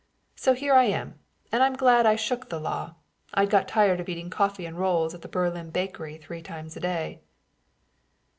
So here I am; and I'm glad I shook the law. I'd got tired of eating coffee and rolls at the Berlin bakery three times a day.